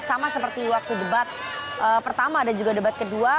sama seperti waktu debat pertama dan juga debat kedua